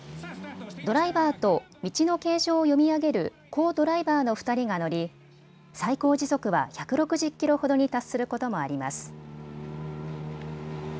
ドライバーと道の形状を読み上げるコ・ドライバーの２人が乗り最高時速は１６０キロほどに達することもあります。